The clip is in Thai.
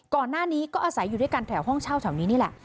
ก่อนหน้านี้ก็อาศัยอยู่ด้วยกันแถวห้องเช่าแถวนี้นี่แหละ